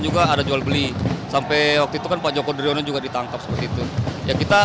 juga ada jual beli sampai waktu itu kan pak joko driono juga ditangkap seperti itu ya kita